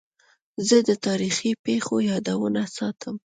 زه د تاریخي پېښو یادونه ساتم.